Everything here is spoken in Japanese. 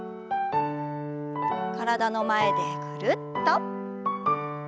体の前でぐるっと。